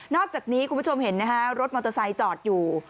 อกจากนี้คุณผู้ชมเห็นนะฮะรถมอเตอร์ไซค์จอดอยู่